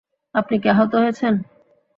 আপনি কি আহত হয়েছেন?